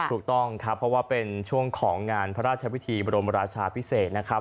ถูกต้องครับเพราะว่าเป็นช่วงของงานพระราชวิธีบรมราชาพิเศษนะครับ